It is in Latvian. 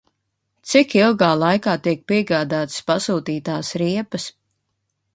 Cik ilgā laikā tiek piegādātas pasūtītās riepas?